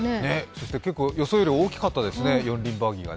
そして結構、予想より大きかったですね、四輪バギーが。